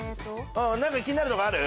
何か気になる所ある？